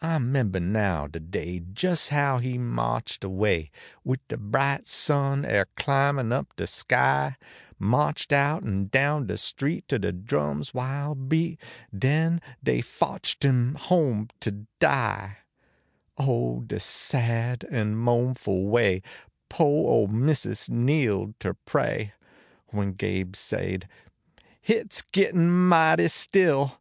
I membah now de day jes how he marched away, \Vid de bright sun er climbiif up de sky, Marched out en down de street to de drum s wild beat, Den dev fetched him home to die. Oh. de sad en moanful way, po ole missus kneeled ter pray, When (kibe sade :" Hit s gittin mighty still."